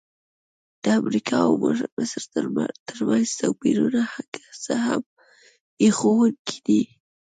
د امریکا او مصر ترمنځ توپیرونه که څه هم هیښوونکي دي.